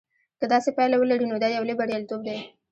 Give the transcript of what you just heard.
که داسې پایله ولري نو دا یو لوی بریالیتوب دی.